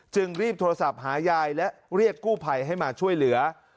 รีบโทรศัพท์หายายและเรียกกู้ภัยให้มาช่วยเหลือ